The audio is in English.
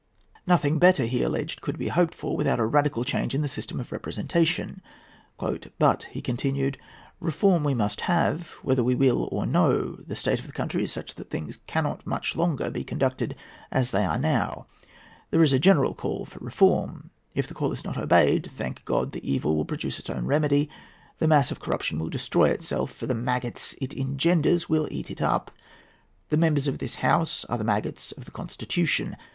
Nothing better, he alleged, could be hoped for, without a radical change in the system of representation. "But," he continued, "reform we must have, whether we will or no. The state of the country is such that things cannot much longer be conducted as they now are. There is a general call for reform. If the call is not obeyed, thank God the evil will produce its own remedy, the mass of corruption will destroy itself, for the maggots it engenders will eat it up. The members of this House are the maggots of the Constitution.